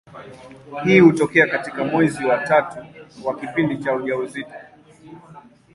Hii hutokea katika mwezi wa tatu wa kipindi cha ujauzito.